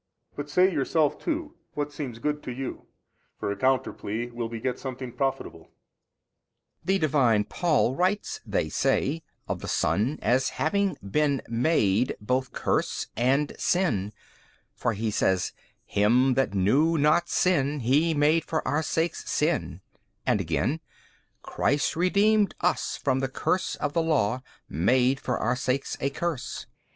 But say, yourself too, what seems good to you: for a counter plea will beget something profitable. B. The Divine Paul writes (they say) of the Son as having BEEN MADE both curse and sin 3: for he says, Him that knew not sin He made for our sakes sin, and again, Christ redeemed us from the curse of the law, MADE for our sakes a curse.